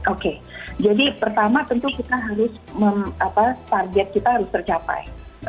oke jadi pertama tentu kita harus target kita harus tercapai